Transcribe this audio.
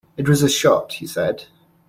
"It was a shot," he said.